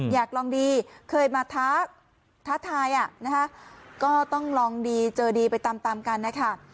อยากลองดีเคยมาท้าทายก็ต้องลองดีเจอดีไปตามตามกันนะคะ